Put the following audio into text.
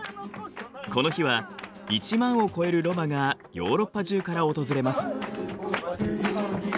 この日は１万を超えるロマがヨーロッパ中から訪れます。